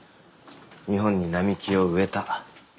日本に並木を植えた。